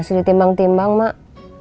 masih ditimbang timbang mak